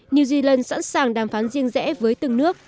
new zealand sẵn sàng đàm phán riêng rẽ với từng nước